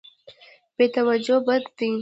بې توجهي بد دی.